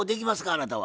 あなたは。